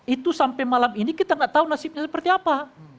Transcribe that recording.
itu sampai malam ini kita nggak tahu nasibnya seperti apa